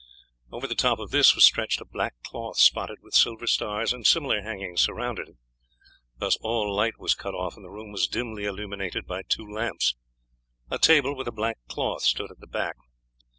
Over the top of this was stretched a black cloth spotted with silver stars, and similar hangings surrounded it; thus all light was cut off, and the room was dimly illuminated by two lamps. A table with a black cloth stood at the back.